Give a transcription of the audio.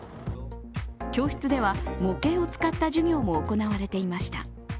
教室では模型を使った授業も行われていました。